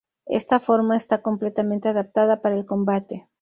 Esta forma esta completamente adaptada para el combate.